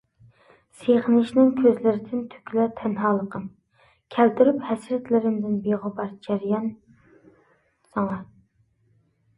سېغىنىشنىڭ كۆزلىرىدىن تۆكۈلەر تەنھالىقىم، كەلتۈرۈپ ھەسرەتلىرىمدىن بىغۇبار جەريان ساڭا.